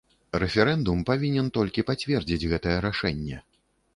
Рэферэндум павінен толькі пацвердзіць гэтае рашэнне.